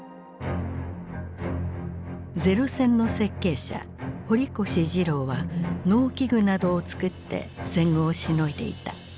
零戦の設計者堀越二郎は農機具などをつくって戦後をしのいでいた。